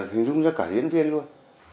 hình dung cho cả diễn viên luôn